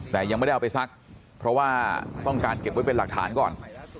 แต่ยังไม่ได้เอาไปซักเพราะว่าต้องการเก็บไว้เป็นหลักฐานก่อน